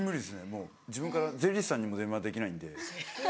もう自分から税理士さんにも電話できないんで。